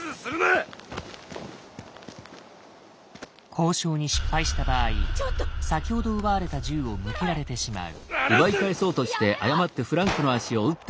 交渉に失敗した場合先ほど奪われた銃を向けられてしまう。